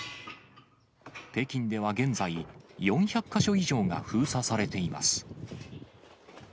北京では現在、４００か所以上が封鎖されています。